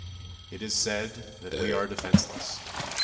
It is said that we are defenseless.